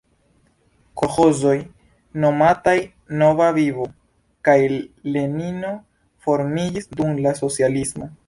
Kolĥozoj nomataj "Nova Vivo" kaj Lenino formiĝis dum la socialismo.